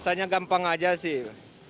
alasannya gampang saja sih